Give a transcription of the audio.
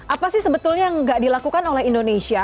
apa sih sebetulnya yang nggak dilakukan oleh indonesia